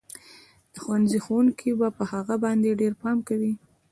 د ښوونځي ښوونکي به په هغه باندې ډېر پام کوي